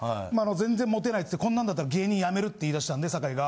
全然モテないっつって「こんなんだったら芸人やめる」って言い出したんで坂井が。